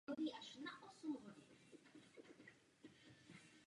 Jen některé jsou však užitečné pro zjištění zdrojové oblasti.